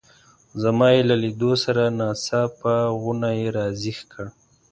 زما یې له لیدو سره ناڅاپه غونی را زېږ کړ.